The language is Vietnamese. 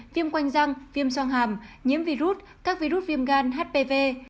viêm quanh răng viêm song hàm nhiễm virus các virus viêm gan hpv